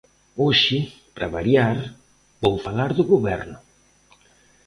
Hoxe, pra variar, vou falar do goberno.